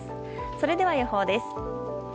それでは予報です。